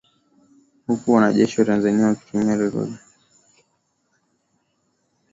Huku wanajeshi wa Tanzania wakitumia roketi dhidi ya waasi na kuwalazimu kukimbia kambi zao na kuingia Uganda na Rwanda.